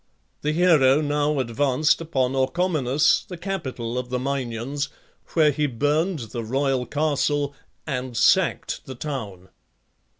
The hero now advanced upon Orchomenus, the capital of the Minyans, where he burned the royal castle and sacked the town.